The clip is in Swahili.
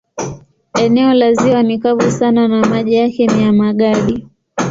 Eneo la ziwa ni kavu sana na maji yake ni ya magadi.